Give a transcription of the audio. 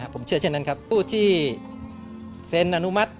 เศียร์ช่วยซึ่งคนใหม่ใครผู้ที่เซ็สอนุมัติ